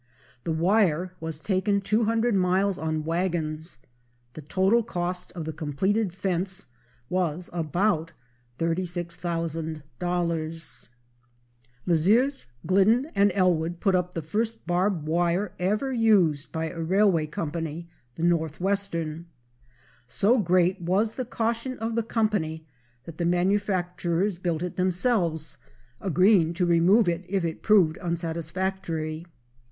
The wire was taken 200 miles on wagons. The total cost of the completed fence was about $36,000. Messrs. Glidden & Ellwood put up the first barb wire ever used by a railway company—the Northwestern. So great was the caution of the company that the manufacturers built it themselves, agreeing to remove it if it proved unsatisfactory.